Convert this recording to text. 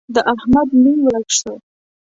د احمد نوم ورک شو.